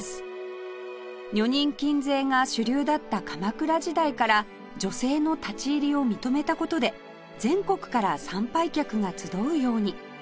女人禁制が主流だった鎌倉時代から女性の立ち入りを認めた事で全国から参拝客が集うように